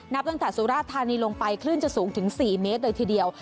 นับตั้งแต่สุราธานีลงไปคลื่นจะสูงถึง๔เมตรเลยทีเดียว